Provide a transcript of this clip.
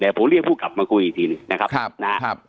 เดี๋ยวผมเรียกผู้กลับมาคุยอีกทีหนึ่งนะครับ